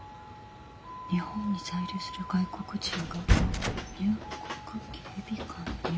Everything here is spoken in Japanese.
「日本に在留する外国人が入国警備官や」。